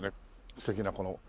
素敵なこの。